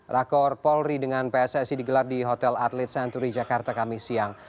rakor polri dengan pssi digelar di hotel atlet senturi jakarta kami siang